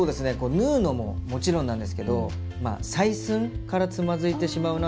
縫うのももちろんなんですけどまあ採寸からつまずいてしまうなというところがあって。